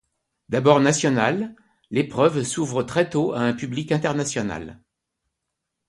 D'abord nationale, l'épreuve s'ouvre très tôt à un public international.